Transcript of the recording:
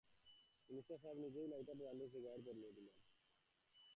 Minister সাহেব নিজেই lighter জ্বালিয়ে সিগারেট ধরিয়ে দিলেন।